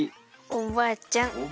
おばあちゃん